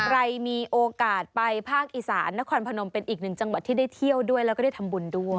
ใครมีโอกาสไปภาคอีสานนครพนมเป็นอีกหนึ่งจังหวัดที่ได้เที่ยวด้วยแล้วก็ได้ทำบุญด้วย